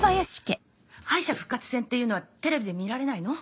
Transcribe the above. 敗者復活戦っていうのはテレビで見られないの？